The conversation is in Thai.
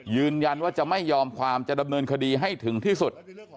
ยืนยันว่าจะไม่ยอมความจะดำเนินคดีให้ถึงที่สุด